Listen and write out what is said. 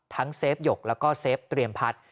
ทั้งเซฟหยกแล้วก็เซฟเตรียมพัด